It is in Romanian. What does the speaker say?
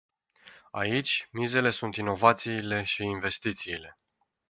Aici, mizele sunt inovațiile și investițiile.